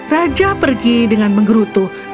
raja pergi dengan menggerutu